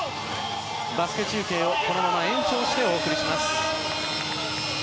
バスケ中継をこのまま延長してお送りします。